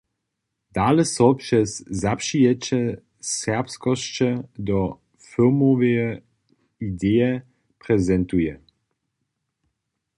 Dale so přez zapřijeće serbskosće do firmoweje ideje prezentuje.